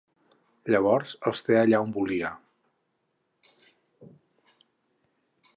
Llavors els té allà on volia.